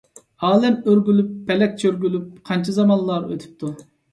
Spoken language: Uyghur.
ئالەم ئۆرگۈلۈپ، پەلەك چۆرگۈلۈپ، قانچە زامانلار ئۆتۈپتۇ.